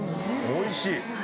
おいしい。